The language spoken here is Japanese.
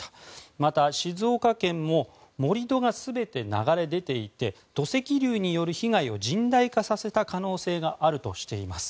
また、静岡県も盛り土が全て流れ出ていて土石流による被害を甚大化させた可能性があるとしています。